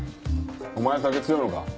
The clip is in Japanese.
お前酒強いのか？